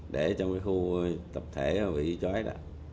để trong cái khu tập thể bị trói đó